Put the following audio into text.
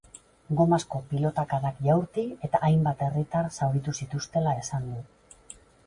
Gomazko pilotakadak jaurti eta hainbat herritar zauritu zituztela esan du.